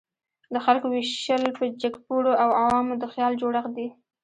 د خلکو ویشل په جګپوړو او عوامو د خیال جوړښت دی.